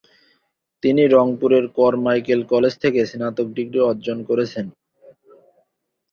তিনি রংপুরের Carmichael college থেকে স্নাতক ডিগ্রি অর্জন করেছেন।